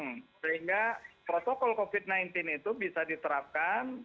sehingga protokol covid sembilan belas itu bisa diterapkan